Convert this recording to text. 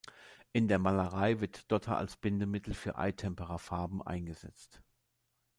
In der Malerei wird Dotter als Bindemittel für Eitempera-Farben eingesetzt.